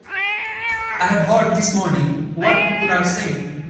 I have heard this morning what people are saying.